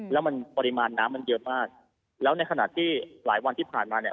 แล้วมันปริมาณน้ำมันเยอะมากแล้วในขณะที่หลายวันที่ผ่านมาเนี่ย